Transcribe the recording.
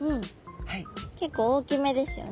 結構大きめですよね。